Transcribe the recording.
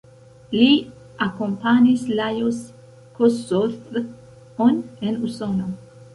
Li akompanis Lajos Kossuth-on en Usono.